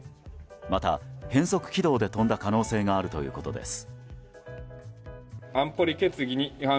また変則軌道で飛んだ可能性があるということです。